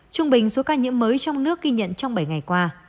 trung bình số ca nhiễm mới trong nước ghi nhận trong bảy ngày qua